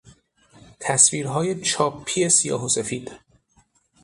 تصویرهای چاپی سیاه و سفید